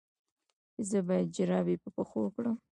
ایا زه باید جرابې په پښو کړم؟